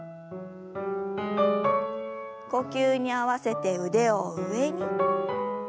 呼吸に合わせて腕を上に。